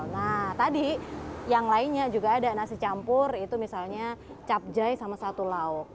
nah tadi yang lainnya juga ada nasi campur itu misalnya capjay sama satu lauk